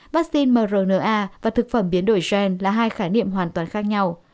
vaccine mrna và thực phẩm biến đổi gen là hai khái niệm hoàn toàn khác nhau